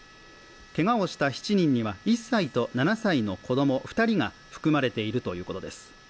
けがをした７人には、１歳と７歳の子供２人が含まれているということです。